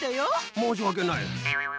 申し訳ない。